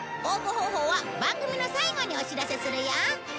応募方法は番組の最後にお知らせするよ。